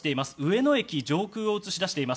上野駅上空です。